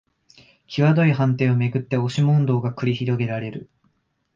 きわどい判定をめぐって押し問答が繰り広げられる